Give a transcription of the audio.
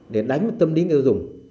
để đánh tâm lý người ta dùng